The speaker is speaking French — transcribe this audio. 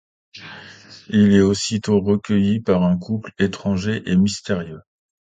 Il est aussitôt recueilli par un couple étrange et mystérieux.